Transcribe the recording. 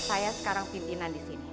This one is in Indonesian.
saya sekarang pimpinan disini